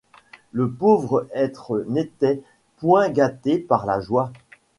Le pauvre être n’était point gâté par la joie.